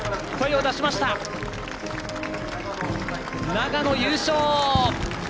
長野、優勝！